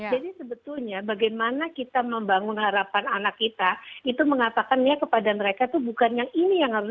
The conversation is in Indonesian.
jadi sebetulnya bagaimana kita membangun harapan anak kita itu mengatakannya kepada mereka itu bukan yang ini yang harus